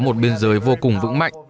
một biên giới vô cùng vững mạnh